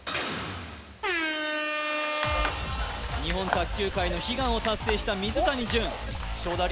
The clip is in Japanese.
日本卓球界の悲願を達成した水谷隼勝田り